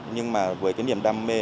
nhưng mà với cái niềm đam mê